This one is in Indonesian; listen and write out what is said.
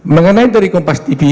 mengenai dari kompas tv